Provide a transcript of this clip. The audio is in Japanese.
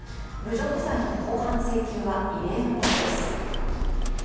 侮辱罪の公判請求は異例のことです。